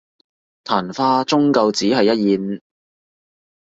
曇花終究只係一現